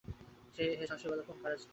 হে সাহসী বালকগণ, কাজ করে যাও।